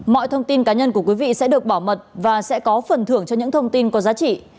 mọi thông tin cá nhân của quý vị sẽ được bảo mật và sẽ có phần thưởng cho những thông tin có giá trị